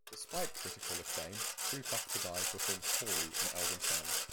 Despite critical acclaim, "Too Tough to Die" performed poorly in album sales.